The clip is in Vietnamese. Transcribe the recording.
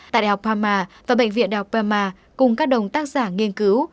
tại đại học parma và bệnh viện đại học parma cùng các đồng tác giả nghiên cứu